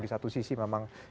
di satu sisi memang